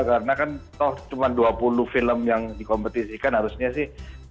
karena kan toh cuma dua puluh film yang dikompetisikan harusnya sih